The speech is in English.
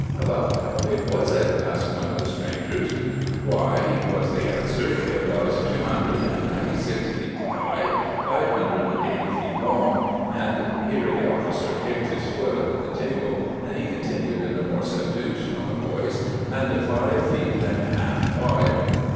'About how big was it?' asked one of the strangers, ' Why,' was the answer, ' it was two hundred and ninety six feet high, five hundred and eighty feet long, and —' here the officer kicked his foot under the table, and he continued in a more sub dued tone of voice — 'and five feet and a half wide.'"